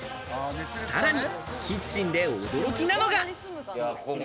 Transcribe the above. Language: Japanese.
さらにキッチンで驚きなのが。